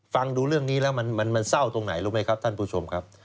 ฟังดูเรื่องนี้แล้วมันเศร้าตรงไหนรู้ไหมครับท่านผู้ชมครับ